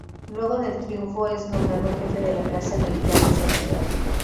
Luego del triunfo es nombrado jefe de la Plaza Militar de esa ciudad.